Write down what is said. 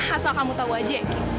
asal kamu tau aja eki